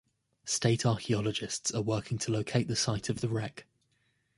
State archaeologists are working to locate the site of the wreck.